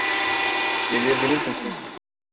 Delirdiniz mi siz?